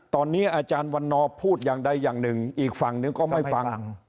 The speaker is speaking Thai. ตอนนี้อาจารย์วันนอร์พูดอย่างใดอย่างหนึ่งอีกฝั่งหนึ่งก็ไม่ฟัง